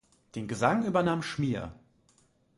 Den Gesang übernahm Schmier.